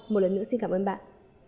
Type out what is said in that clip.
một lần nữa xin cảm ơn bạn